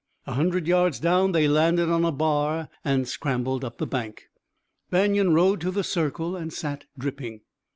A hundred yards down they landed on a bar and scrambled up the bank. Banion rode to the circle and sat dripping.